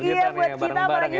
iya buat kita lagi buat saya